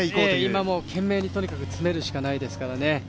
今も懸命にとにかく詰めるしかないですからね。